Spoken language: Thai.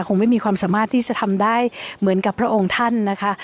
คงไม่มีความสามารถที่จะทำได้เหมือนกับพระองค์ท่านนะคะ